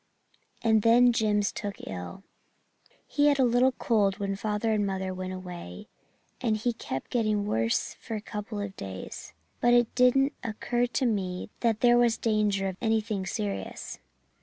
"And then Jims took ill. "He had a little cold when father and mother went away, and he kept getting worse for a couple of days, but it didn't occur to me that there was danger of anything serious.